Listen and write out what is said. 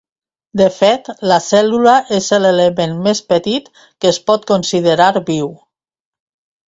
De fet, la cèl·lula és l'element més petit que es pot considerar viu.